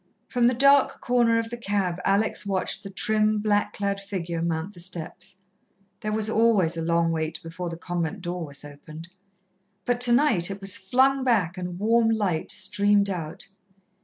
From the dark corner of the cab Alex watched the trim, black clad figure mount the steps. There was always a long wait before the convent door was opened. But tonight it was flung back and warm light streamed out.